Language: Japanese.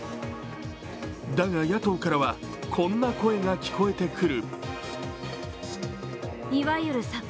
だが、野党からはこんな声が聞こえてくる。